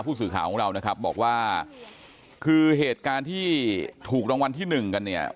ผู้สื่อข่าวของเรานะครับบอกว่าคือเหตุการณ์ที่ถูกรางวัลที่หนึ่งกันเนี่ย